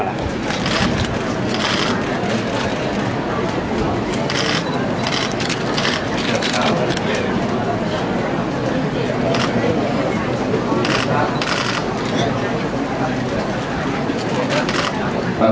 รับทราบ